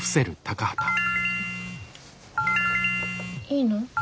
いいの？